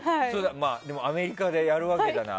アメリカでやるわけじゃない？